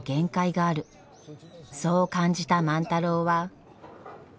そう感じた万太郎は。